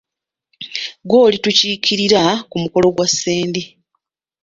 Gwe olitukiikirira ku mukolo gwa Ssendi.